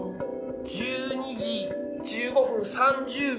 １２時１５分３０秒。